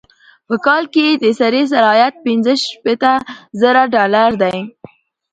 په کال کې یې د سړي سر عاید پنځه شپيته زره ډالره دی.